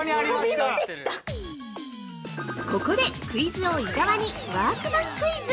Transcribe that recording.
◆ここでクイズ王・伊沢にワークマンクイズ！